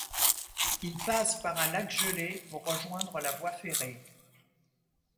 Ils passent par un lac gelé pour rejoindre la voie ferré.